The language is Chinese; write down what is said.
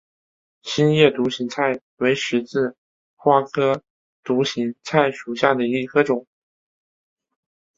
心叶独行菜为十字花科独行菜属下的一个种。